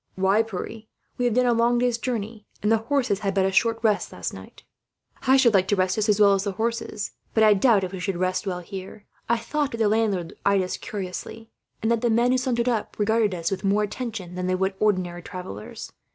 "Why, Pierre? We have done a long day's journey, and the horses had but a short rest last night." "I should like to rest just as well as the horses," Pierre said; "but I doubt if we should rest well, here. I thought, when we drew bridle, that the landlord eyed us curiously; and that the men who sauntered up regarded us with more attention than they would ordinary travellers.